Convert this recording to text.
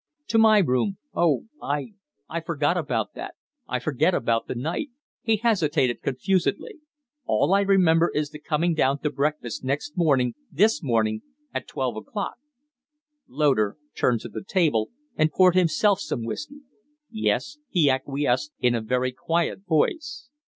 "To my room ? Oh, I I forget about that. I forget about the night" He hesitated confusedly. "All I remember is the coming down to breakfast next morning this morning at twelve o'clock " Loder turned to the table and poured himself out some whiskey. "Yes," he acquiesced, in a very quiet voice.